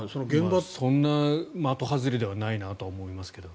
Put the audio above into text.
そんな的外れではないなとは思いますけど。